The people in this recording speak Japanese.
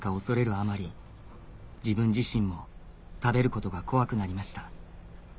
あまり自分自身も食べることが怖くなりました